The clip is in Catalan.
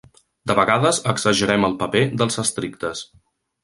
De vegades exagerem el paper dels estrictes.